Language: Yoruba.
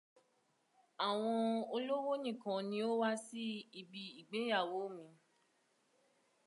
Àwọn olówó nìkan ni ó wá sí ibi ìgbéyàwó mi.